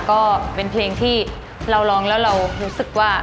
ก็เป็นเพลงที่เราร้องแล้วเรารู้สึกว่า